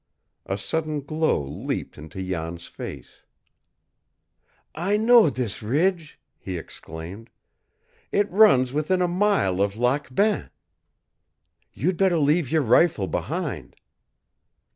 A sudden glow leaped into Jan's face. "I know this ridge," he exclaimed. "It runs within a mile of Lac Bain. You'd better leave your rifle behind."